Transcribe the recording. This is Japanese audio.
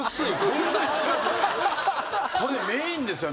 これメーンですよ